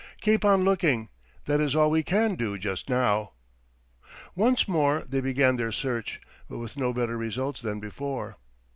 "Keep on looking. That is all we can do just now." Once more they began their search, but with no better results than before.